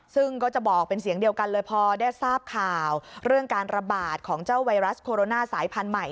ซึ่งก็จะบอกเป็นเสียงเดียวกันเลยพอได้ทราบข่าวเรื่องการระบาดของเจ้าไวรัสโคโรนาสายพันธุ์ใหม่